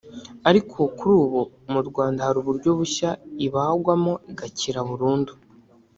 ariko kuri ubu mu Rwanda hari uburyo bushya ibagwamo igakira burundu